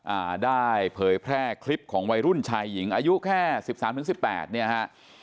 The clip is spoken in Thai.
อ่าได้เผยแพร่คลิปของวัยรุ่นชายหญิงอายุแค่สิบสามถึงสิบแปดเนี่ยฮะ